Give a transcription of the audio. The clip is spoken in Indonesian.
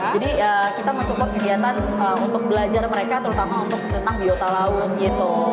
jadi kita mensupport kegiatan untuk belajar mereka terutama untuk mencretak biota laut gitu